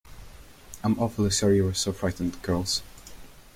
I’m awfully sorry you were so frightened, girls.